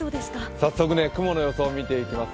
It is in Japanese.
早速、雲の様子を見ていきますよ。